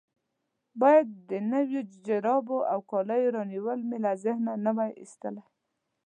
باید د نویو جرابو او کالو رانیول مې له ذهنه نه وای ایستلي.